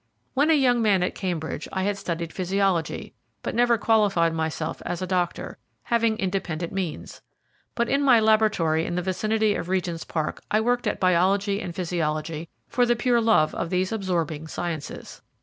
When a young man at Cambridge, I had studied physiology, but never qualified myself as a doctor, having independent means; but in my laboratory in the vicinity of Regent's Park I worked at biology and physiology for the pure love of these absorbing sciences.